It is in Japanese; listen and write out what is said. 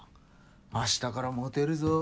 明日からモテるぞ。